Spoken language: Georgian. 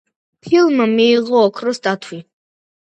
ფილმმა მიიღო ოქროს დათვი.